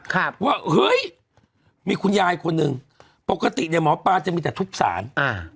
ครับว่าเฮ้ยมีคุณยายคนหนึ่งปกติเนี้ยหมอปลาจะมีแต่ทุบสารอ่า